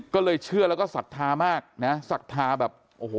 ก็เลยเชื่อแล้วก็ศรัทธามากนะศรัทธาแบบโอ้โห